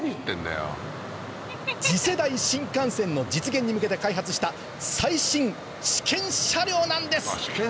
次世代新幹線の実現に向けて開発した最新試験車両なんです！